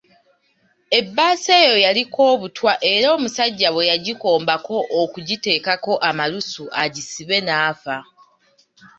Ebbaasa eyo yaliko obutwa era omusajja bwe yagikombako okuteekako amalusu agisibe n’afa.